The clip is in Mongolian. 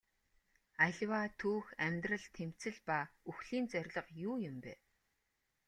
Аливаа түүх амьдрал тэмцэл ба үхлийн зорилго юу юм бэ?